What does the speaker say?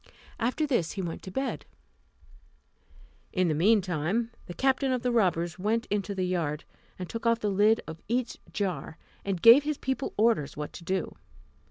After this he went to bed. In the mean time the captain of the robbers went into the yard, and took off the lid of each jar, and gave his people orders what to do.